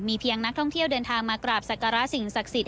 มีเพียงนักท่องเที่ยวเดินทางมากราบศักราษิติสั่งสินสักสิทธิ์